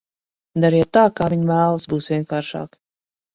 Dariet tā, kā viņa vēlas, būs vienkāršāk.